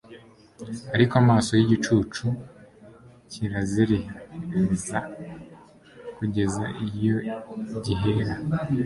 ariko amaso y’igicucu kirayazerereza kugeza iyo gihera